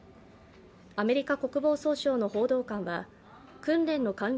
アメリカ国防総省の報道官は訓練の完了